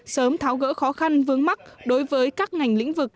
sớm tháo gỡ khó khăn vướng mắt đối với các ngành lĩnh vực